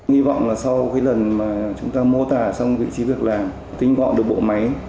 hy vọng là sau cái lần mà chúng ta mô tả xong vị trí việc làm tinh gọn được bộ máy